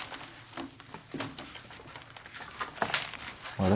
あれ？